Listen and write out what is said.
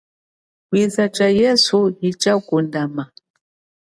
Kwiza tsha yesu hitshakundama.